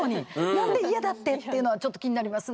何で「イヤだ」ってっていうのはちょっと気になりますね。